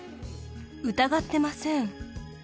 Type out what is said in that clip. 疑ってません。